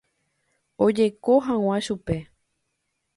Ojejoko hag̃ua chupe.